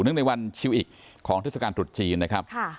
นึกในวันชิวอิกของทฤษกาลถุดจีนนะครับ